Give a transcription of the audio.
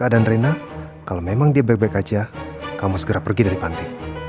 mbak dan rena kalo memang dia baik baik aja kamu segera pergi dari pantai